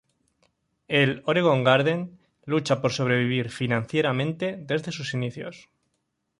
El "Oregon Garden" lucha por sobrevivir financieramente desde sus inicios.